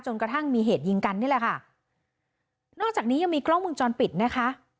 กระทั่งมีเหตุยิงกันนี่แหละค่ะนอกจากนี้ยังมีกล้องมุมจรปิดนะคะ